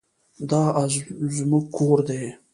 دا زموږ ګور دی؟